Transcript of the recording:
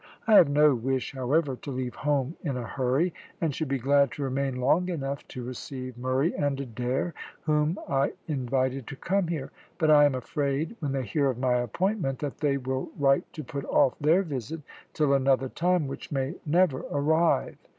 I have no wish, however, to leave home in a hurry, and should be glad to remain long enough to receive Murray and Adair, whom I invited to come here, but I am afraid when they hear of my appointment that they will write to put off their visit till another time, which may never arrive.